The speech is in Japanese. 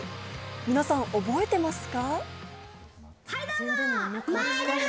皆さん、覚えてますか？